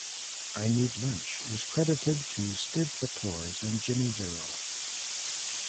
"I Need Lunch" is credited to Stiv Bators and Jimmy Zero.